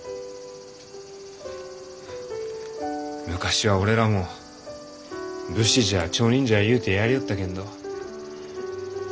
昔は俺らも武士じゃ町人じゃゆうてやりよったけんど。